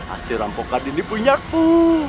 asir rampokan ini punyaku